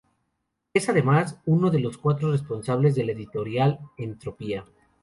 Es, además, uno de los cuatro responsables de la Editorial Entropía.